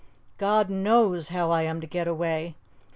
God knows how I am to get away!